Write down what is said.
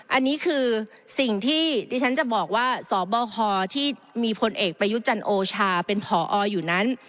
อันนี้คือสิ่งที่ดิฉันจะบอกว่าสบคที่มีพลเอกประยุจันทร์โอชาเป็นผออยู่นั้น